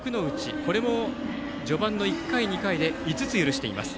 これも序盤の１回２回で５つ許しています。